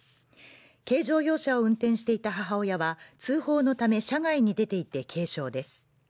軽乗用車を運転していた母親は通報のため車外に出ていて軽傷です